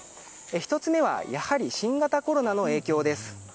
１つ目はやはり新型コロナの影響です。